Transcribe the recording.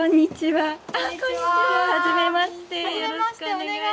はい。